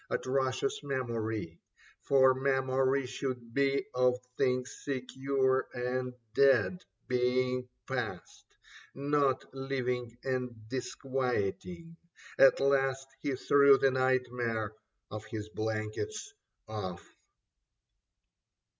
Atrocious memory ! For memory should be ^ Of things secure and dead, being past. Not living and disquieting. At last He threw the nightmare of his blankets off.